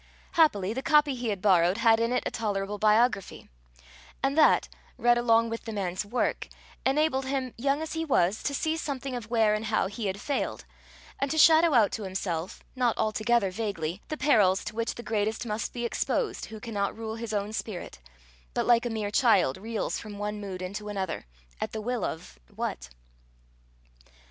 Happily the copy he had borrowed, had in it a tolerable biography; and that, read along with the man's work, enabled him, young as he was, to see something of where and how he had failed, and to shadow out to himself, not altogether vaguely, the perils to which the greatest must be exposed who cannot rule his own spirit, but, like a mere child, reels from one mood into another at the will of what?